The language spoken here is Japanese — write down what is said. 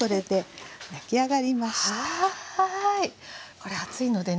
これ熱いのでね